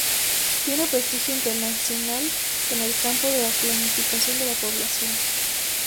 Tiene prestigio internacional en el campo de la planificación de la población.